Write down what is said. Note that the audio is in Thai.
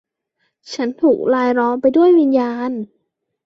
ฉันถูกรายล้อมไปด้วยวิญญาณ